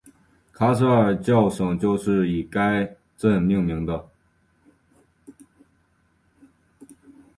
卡舍尔教省就是以该镇命名。